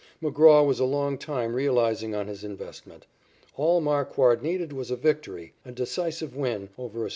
McGraw was a long time realizing on his investment. All Marquard needed was a victory, a decisive win, over a strong club.